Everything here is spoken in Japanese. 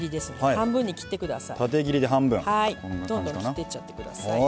半分に切ってください。